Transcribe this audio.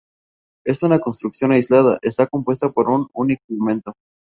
Es una construcción aislada, está compuesta por un único elemento.